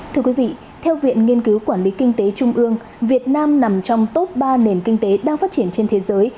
thưa quý vị theo viện nghiên cứu quản lý kinh tế trung ương việt nam nằm trong top ba nền kinh tế đang phát triển trên thế giới